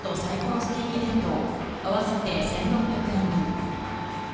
ステーキ弁当合わせて１６００円分。